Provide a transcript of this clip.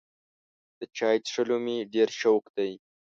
د چای څښلو مې ډېر شوق دی.